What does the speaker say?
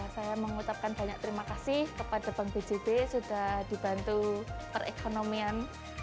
saya mengucapkan banyak terima kasih kepada bank bjb sudah dibantu perekonomian